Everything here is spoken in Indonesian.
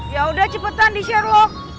ya udah cepetan di sherlock